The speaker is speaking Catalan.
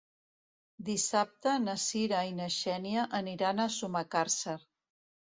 Dissabte na Sira i na Xènia aniran a Sumacàrcer.